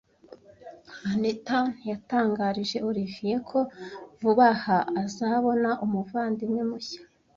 Anita yatangarije Oliver ko vuba aha azabona umuvandimwe mushya.